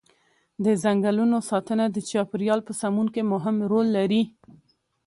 د ځنګلونو ساتنه د چاپیریال په سمون کې مهم رول لري.